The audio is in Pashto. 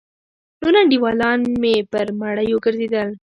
نور انډيولان مې پر مړيو گرځېدل.